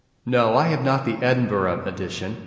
No, I have not the Edinburgh edition.